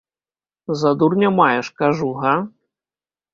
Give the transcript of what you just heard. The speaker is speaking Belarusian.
За дурня маеш, кажу, га?